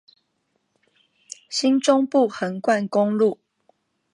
新中部橫貫公路